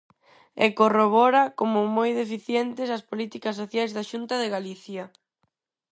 E corrobora como moi deficientes as políticas sociais da Xunta de Galicia.